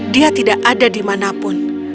dia tidak ada di mana pun